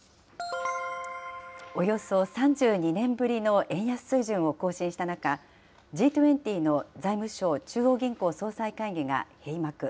およそ３２年ぶりの円安水準を更新した中、Ｇ２０の財務相・中央銀行総裁会議が閉幕。